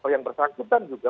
yang bersangkutan juga